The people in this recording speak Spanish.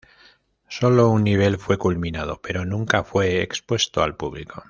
Solo un nivel fue culminado, pero nunca fue expuesto al público.